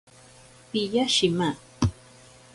Piya shima.